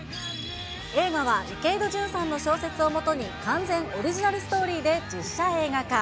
映画は池井戸潤さんの小説をもとに完全オリジナルストーリーで実写映画化。